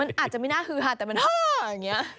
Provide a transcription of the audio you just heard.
มันอาจจะไม่น่าคือหาแต่มันฮ่ออย่างนี้